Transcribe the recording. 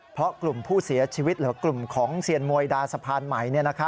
เพราะกลุ่มผู้เสียชีวิตหรือกลุ่มของเซียนมวยดาสะพานใหม่